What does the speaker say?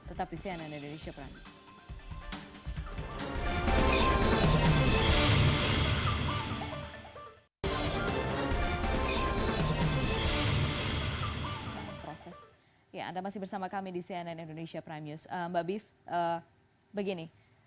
tetap di sianan dan di rishabran